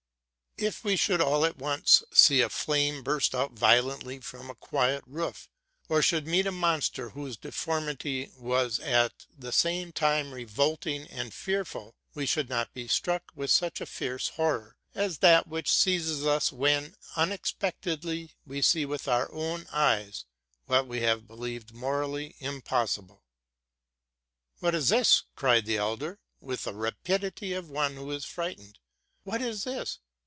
If we should all at once see a flame burst out violently from a quiet roof, or should meet a monster whose deformity was at the same time revolting and fearful, we should not be struck with such a fierce horror as that which seizes us 48 TRUTH AND FICTION when, unexpectedly, we see with our own eyes what we have pelieved morally impossible. '* What is this?'' evied the elder, with the rapidity of one who is frightened; '* what is this?